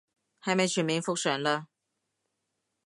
係咪全面復常嘞